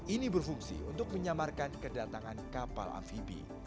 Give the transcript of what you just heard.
ini berfungsi untuk menyamarkan kedatangan kapal amfibi